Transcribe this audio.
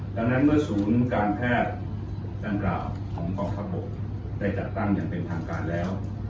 ดังนั้นเมื่อศูนย์การแพทย์ดังกล่าวของกองทัพบกได้จัดตั้งอย่างเป็นทางการแล้ว